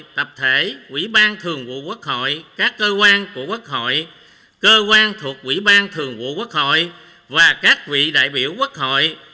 tập thể quỹ ban thường vụ quốc hội các cơ quan của quốc hội cơ quan thuộc quỹ ban thường vụ quốc hội và các vị đại biểu quốc hội